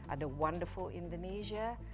ada wonderful indonesia